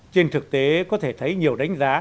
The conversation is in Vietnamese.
trên thực tế có thể thấy nhiều đánh giá